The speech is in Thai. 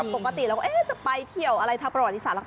ปกติเราก็จะไปเที่ยวอะไรทางประวัติศาสตร์